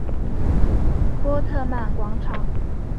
波特曼广场。